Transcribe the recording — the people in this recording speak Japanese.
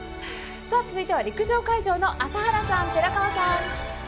続いては陸上会場の朝原さん、寺川さん。